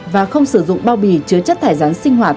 và không sử dụng bao bì chứa chất thải rắn sinh hoạt